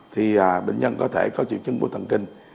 thì bệnh nhân có thể có triệu chứng vô thần kinh